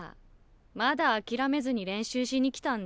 まだあきらめずに練習しに来たんだ？